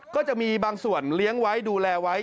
ก็จะมีบางส่วนเลี้ยงไว้ดูแลไว้